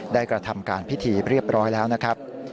กระทำการพิธีเรียบร้อยแล้วนะครับ